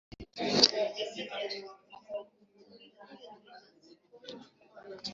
uyu ni denyse wababazwaga no kuba bagenzi be bataramwakiraga uko ari,